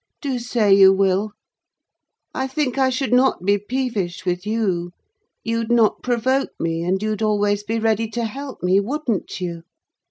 Do say you will. I think I should not be peevish with you: you'd not provoke me, and you'd always be ready to help me, wouldn't you?"